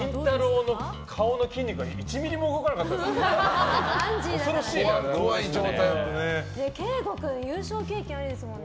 の顔の筋肉が１ｍｍも動かなかったね。